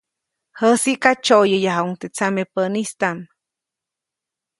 Jäsiʼka, tsyoʼyäyajuʼuŋ teʼ tsamepäʼistam.